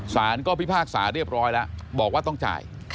สารก็พิพากษาเรียบร้อยแล้วบอกว่าต้องจ่าย